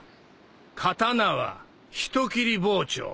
刀は人斬り包丁